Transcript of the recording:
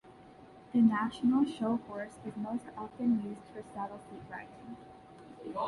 The National Show Horse is most often used for saddle seat riding.